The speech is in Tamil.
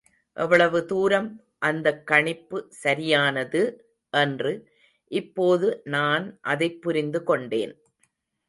எவ்வளவு தூரம் அந்தக் கணிப்பு சரியானது என்று இப்போது நான் அதைப் புரிந்து கொண்டேன்.